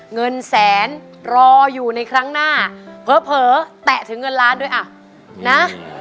เงินแสนรออยู่ในครั้งหน้าเผลอแตะถึงเงินล้านด้วยอ่ะนะ